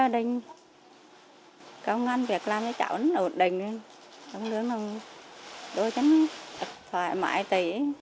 đồng lượng đồng tiền thu nhập cho gia đình